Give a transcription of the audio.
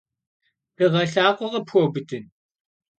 Dığe lhakhue khıpxueubıdın?